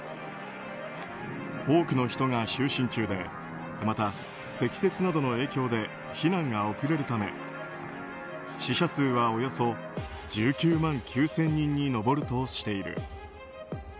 多くの人が就寝中でまた積雪などの影響で避難が遅れるため死者数はおよそ１９万９０００人に上るとしている。